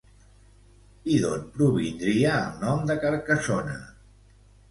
I d'on provindria el nom de Carcassona?